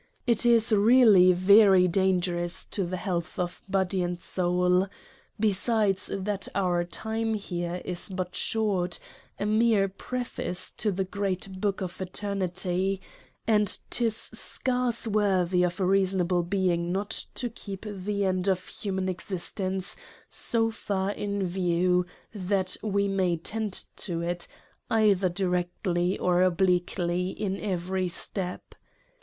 It is really very dangerous to the Health of Body and Soul. Besides that our Time here is but short ; a mere Preface to the great Book of Eternity : and 'tis scarce worthy of a reasonable Being not to keep the End of human Existence so far in View that we may tend to it either directly or obliquely in every step.